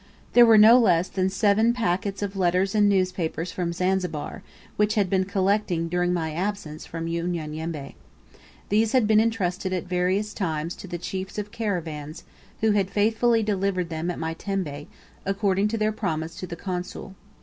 There were no less than seven packets of letters and newspapers from Zanzibar, which had been collecting during my absence from Unyanyembe. These had been intrusted at various times to the chiefs of caravans, who had faithfully delivered them at my tembe, according to their promise to the Consul.